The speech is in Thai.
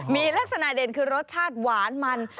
มีลักษณะเด่นคือรสชาติหวานมัน